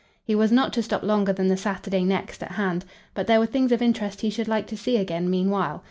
He was not to stop longer than the Saturday next at hand, but there were things of interest he should like to see again meanwhile.